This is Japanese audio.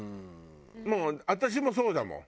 もう私もそうだもん。